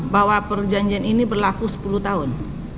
bahwa perjanjian ini berlaku sepuluh tahun